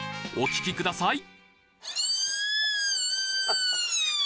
お聞きください